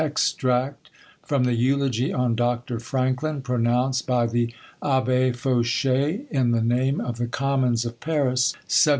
Extract trom the Eulogy on Dr. Franklin, PRONOUNCED BY THE AbBE FaUCHET, IN THE NaMH OF THE CoJtMOHS OF PARIS, 1790.